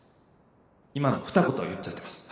今のふた言言っちゃってます。